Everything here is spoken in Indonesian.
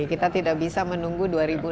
kita tidak bisa menunggu dua ribu enam belas